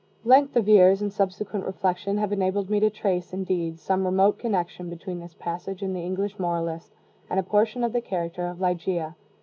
Length of years and subsequent reflection have enabled me to trace, indeed, some remote connection between this passage in the English moralist and a portion of the character of Ligeia.